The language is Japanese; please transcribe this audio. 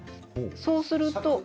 そうすると。